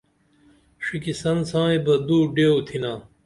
ڜِکِسن سائیں بہ دو ڈیو تِھنا